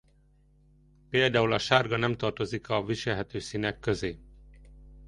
Például a sárga nem tartozik a viselhető színek közé.